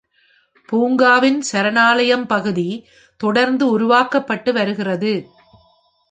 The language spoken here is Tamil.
பூங்காவின் சரணாலயம் பகுதி தொடர்ந்து உருவாக்கப்பட்டு வருகிறது.